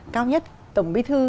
cao nhất tổng bế thư